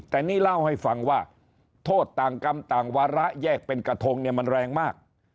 แต่นี่เล่าให้ฟังว่าโทษต่างกรรมต่างวาระแยกเป็นกระทงเนี่ยมันแรงมาก